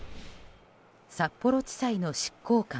札幌地裁の執行官。